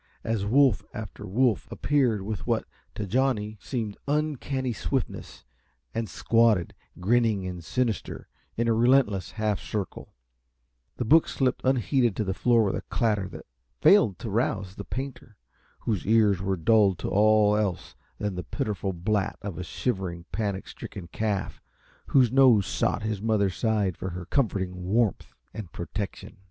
As wolf after wolf appeared with what, to Johnny, seemed uncanny swiftness, and squatted, grinning and sinister, in a relentless half circle, the book slipped unheeded to the floor with a clatter that failed to rouse the painter, whose ears were dulled to all else than the pitiful blat of a shivering, panic stricken calf whose nose sought his mother's side for her comforting warmth and protection.